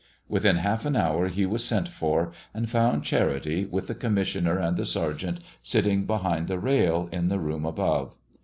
Within half an hour he was sent for, and found Charity, with the commissioner and the sergeant, sitting behind the rail, in the room above.